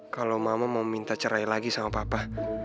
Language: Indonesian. kalau mama mau minta cerai lagi sama papa